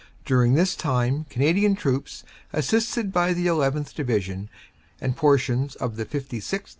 During this time Canadian troops, assisted by the llth. Division and portions of the 56th.